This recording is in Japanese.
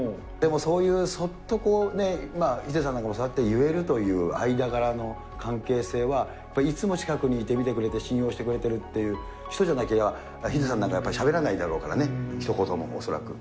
そういうそっと、こうね、ヒデさんも、そうやって言えるという間柄の関係性は、やっぱりいつも近くにいて見てくれて、信用してくれてるっていう人じゃなけりゃ、ヒデさんなんかはしゃべらないだろうからね、ひと言も、恐らく。